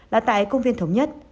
là tại công viên thống nhất